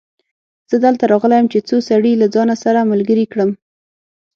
زه دلته راغلی يم چې څو سړي له ځانه سره ملګري کړم.